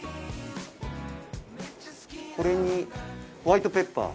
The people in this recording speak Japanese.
これにホワイトペッパー。